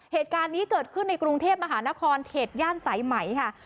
เหตุการณ์นี้เกิดขึ้นในกรุงเทพมหานครเขตย่านสายไหมค่ะ